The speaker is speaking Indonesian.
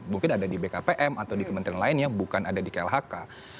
mungkin ada di bkpm atau di kementerian lain yang bukan ada di klhk